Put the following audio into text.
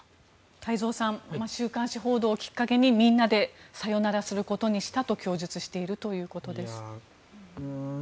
太蔵さん、週刊誌報道をきっかけにみんなでさよならすることにしたと供述しているということです。